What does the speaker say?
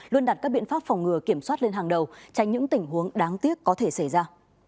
luôn đặt các biện pháp phòng ngừa kiểm soát lên hàng đầu tránh những tình huống đáng tiếc có thể xảy ra